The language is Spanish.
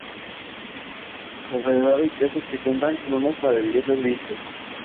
A su alrededor hay casas que cuentan con unas maravillosas vistas.